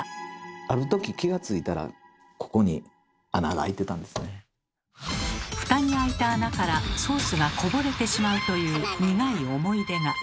ある時気がついたらここに蓋にあいた穴からソースがこぼれてしまうという苦い思い出が。